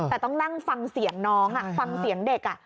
แต่ต้องนั่งฟังเสียงน้องฟังเสียงเด็ก